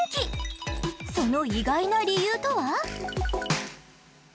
その意外な理由とは？